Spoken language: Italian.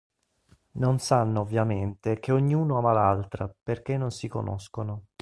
Non sanno ovviamente che ognuno ama l'altra, perché non si conoscono.